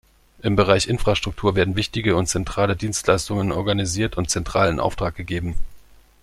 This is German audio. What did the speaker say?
Im Bereich Infrastruktur werden wichtige und zentrale Dienstleistungen organisiert und zentral in Auftrag gegeben.